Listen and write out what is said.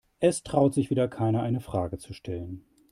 Es traut sich wieder keiner, eine Frage zu stellen.